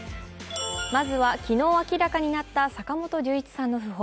まずは昨日明らかになった坂本龍一さんの訃報。